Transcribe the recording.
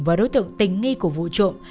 và đối tượng tỉnh nghi của vụ trộm